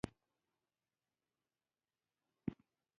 ټول مجلس یې ښایسته کړ.